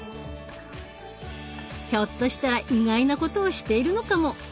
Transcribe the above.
ひょっとしたら意外なことをしているのかも。